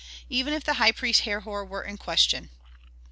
Even if the high priest Herhor were in question."